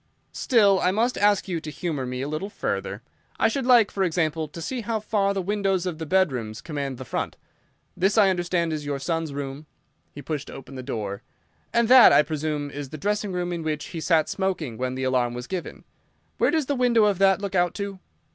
"Still, I must ask you to humour me a little further. I should like, for example, to see how far the windows of the bedrooms command the front. This, I understand is your son's room"—he pushed open the door—"and that, I presume, is the dressing room in which he sat smoking when the alarm was given. Where does the window of that look out to?"